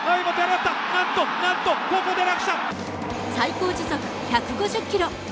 最高時速１５０キロ。